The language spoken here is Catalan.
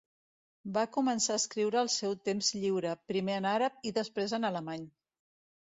Va començar a escriure al seu temps lliure, primer en àrab i després en alemany.